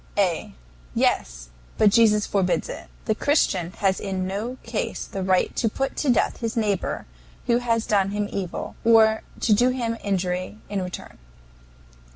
A. Yes. But Jesus forbids it. The Christian has in no case the right to put to death his neighbor who has done him evil, or to do him injury in return.